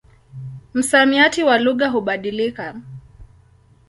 Msamiati wa lugha hubadilika.